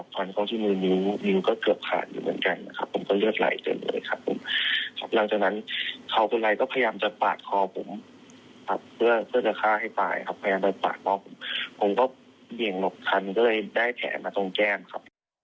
ผมก็เหียงลบครั้งเลยคุณผู้ชมได้แผงมาทีมข้างแจ้งครับ